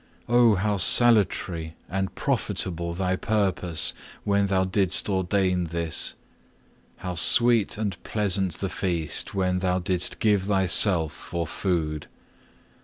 Oh how salutary and profitable Thy purpose when Thou didst ordain this! How sweet and pleasant the feast when Thou didst give Thyself for food!